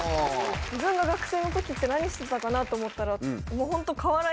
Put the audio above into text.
自分が学生の時って何してたかなと思ったらホント。